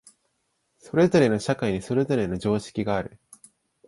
それぞれの社会にそれぞれの常識がある。